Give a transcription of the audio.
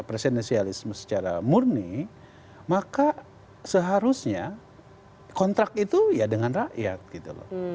presidensialisme secara murni maka seharusnya kontrak itu ya dengan rakyat gitu loh